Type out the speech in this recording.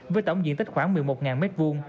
với tổng diện tích khoảng một mươi một m hai